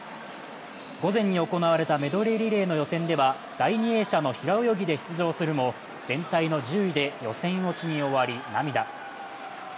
午前に行われたメドレーリレーの予選では第２泳者の平泳ぎで出場するも全体の１０位で予選落ちに終わり涙。